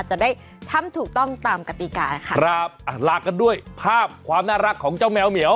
จะได้ทำถูกต้องตามกติกาค่ะครับอ่ะลากันด้วยภาพความน่ารักของเจ้าแมวเหมียว